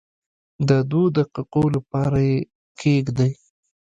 د دوو دقیقو لپاره یې کښېږدئ.